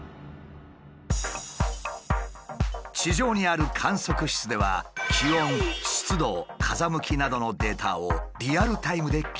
地上にある観測室では気温湿度風向きなどのデータをリアルタイムで記録。